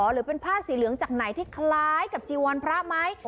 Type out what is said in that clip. หรือเป็นผ้าสีเหลืองจากไหนที่คล้ายกับจีวรพระไหม